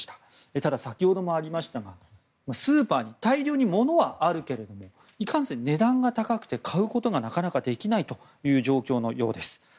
ただ、先ほどもありましたがスーパーに大量に物はあるけどいかんせん、値段が高くて買うことがなかなかできない状況のようです。